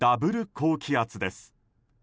高気圧です。